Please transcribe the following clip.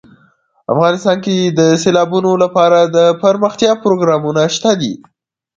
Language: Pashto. افغانستان کې د سیلابونو لپاره دپرمختیا پروګرامونه شته دي.